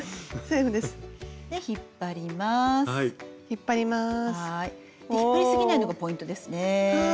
引っ張りすぎないのがポイントですね。